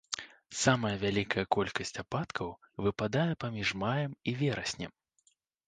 Самая вялікая колькасць ападкаў выпадае паміж маем і вераснем.